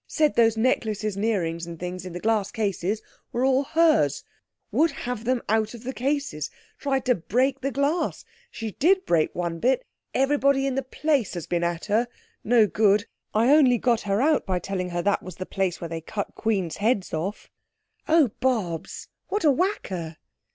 Said those necklaces and earrings and things in the glass cases were all hers—would have them out of the cases. Tried to break the glass—she did break one bit! Everybody in the place has been at her. No good. I only got her out by telling her that was the place where they cut queens' heads off." "Oh, Bobs, what a whacker!"